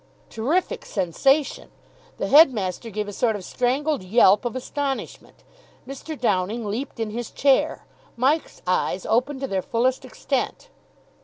Terrific sensation! The headmaster gave a sort of strangled yelp of astonishment. Mr. Downing leaped in his chair. Mike's eyes opened to their fullest extent.